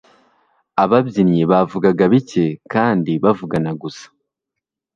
ababyinnyi bavugaga bike kandi bavugana gusa